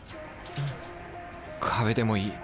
壁でもいい。